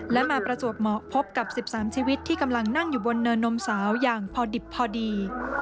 และมาประจวบเหมาะพบกับ๑๓ชีวิตที่กำลังนั่งอยู่บนเนินนมสาวอย่างพอดิบพอดี